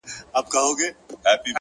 بیگا مي خوب لیده مسجد را نړومه ځمه’